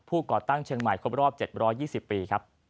ผู้ก่อตั้งเชียงใหม่คบรอบ๗๒๐ปี